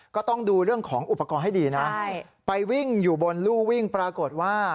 ก็ต้องดูเรื่องของอุปกรณ์ให้ดีนะไปวิ่งอยู่บนลู่วิ่งปรากฏว่า